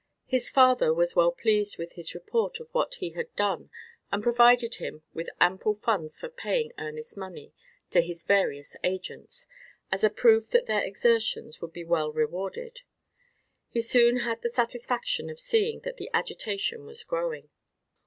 His father was well pleased with his report of what he had done and provided him with ample funds for paying earnest money to his various agents, as a proof that their exertions would be well rewarded. He soon had the satisfaction of seeing that the agitation was growing.